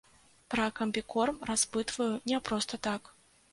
Пра камбікорм распытваю не проста так.